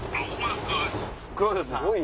黒田さん